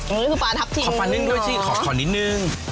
นี่คือปลาทับทิมขอปลานึ่งด้วยสิขอนิดนึง